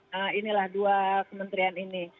nah inilah dua kementerian ini